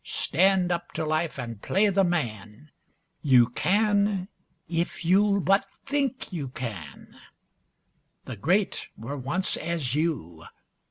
Stand up to life and play the man You can if you'll but think you can; The great were once as you.